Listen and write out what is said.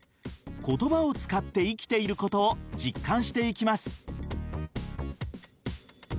言葉を使って生きていることを実感していきます。